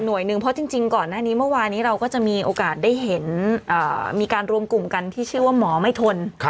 โดยหนึ่งเพราะจริงก่อนหน้านี้เมื่อวานี้เราก็จะมีโอกาสได้เห็นมีการรวมกลุ่มกันที่ชื่อว่าหมอไม่ทน